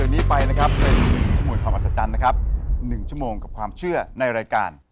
นางฟ้าชัด